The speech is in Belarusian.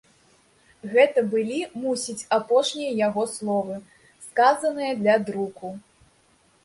Гэта былі, мусіць, апошнія яго словы, сказаныя для друку.